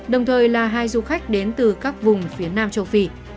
đồng thời là hai du khách đến từ các vùng phía nam châu phi